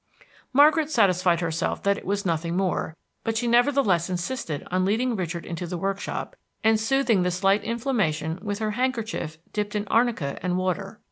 Margaret satisfied herself that it was nothing more; but she nevertheless insisted on leading Richard into the workshop, and soothing the slight inflammation with her handkerchief dipped in arnica and water.